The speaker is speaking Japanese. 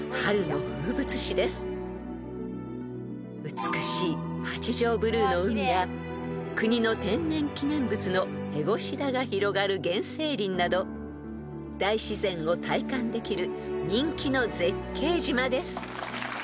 ［美しい八丈ブルーの海や国の天然記念物のヘゴシダが広がる原生林など大自然を体感できる人気の絶景島です］